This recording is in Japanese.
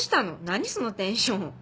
何そのテンション。